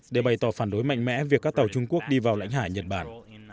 để bày tỏ phản đối mạnh mẽ việc các tàu trung quốc đi vào lãnh hải nhật bản